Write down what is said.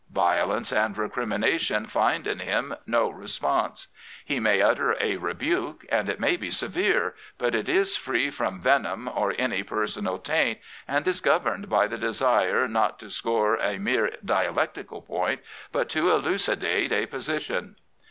Violence and recrimination find in him no response. He may utter a rebuke and it may be severe, but it is free from venom or any personal taint, and is governed by the desire not to score a mere dialectical point, but to elucidate a position.